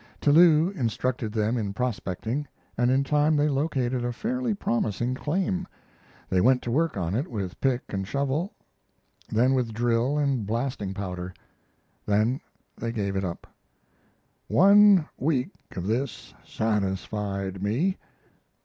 Tillou instructed them in prospecting, and in time they located a fairly promising claim. They went to work on it with pick and shovel, then with drill and blasting powder. Then they gave it up. "One week of this satisfied me.